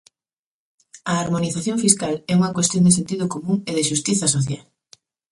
A harmonización fiscal é unha cuestión de sentido común e de xustiza social.